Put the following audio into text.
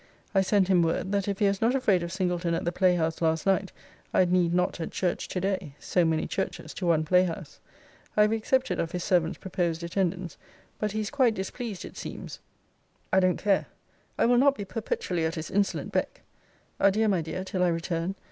I sent him word, that if he was not afraid of Singleton at the playhouse last night, I need not at church to day: so many churches to one playhouse. I have accepted of his servant's proposed attendance. But he is quite displeased, it seems. I don't care. I will not be perpetually at his insolent beck. Adieu my dear, till I return.